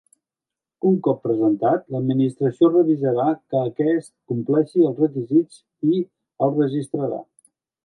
Un cop presentat, l'Administració revisarà que aquest compleixi els requisits i el registrarà.